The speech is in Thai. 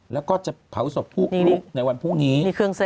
แล้วก็จะเผาศพลูกในวันพรุ่งนี้